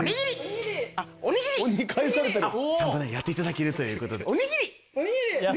ちゃんとねやっていただけるということで。